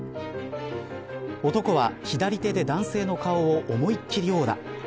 男は左手で男性の顔を思いっ切り殴打。